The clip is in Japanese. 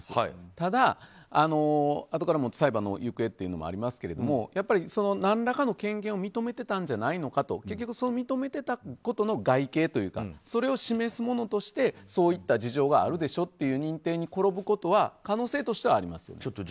ただ、あとから裁判の行方もありますけどやっぱり何らかの権限を認めてたんじゃないかと結局、認めてたことの外形というかそれを示すものとしてそういった事情があるでしょという認定に転ぶことは可能性としてはあります。